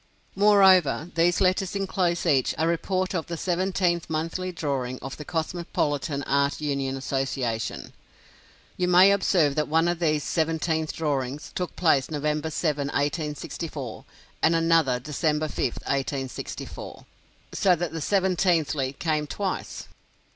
Moreover, these letters inclose each a "report of the seventeenth monthly drawing of the Cosmopolitan Art Union Association." You may observe that one of these "seventeenth drawings" took place November 7 1864, and another December 5, 1864; so that seventeenthly came twice.